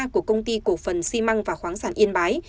của công ty cổ phần xi măng và khoáng sản yên bái